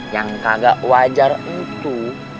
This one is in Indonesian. yang kagak wajar itu